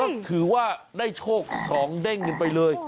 ก็ถือว่าได้โชค๒เด้งกันไปเลย